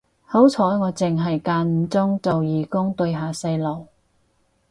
好彩我剩係間唔中做義工對下細路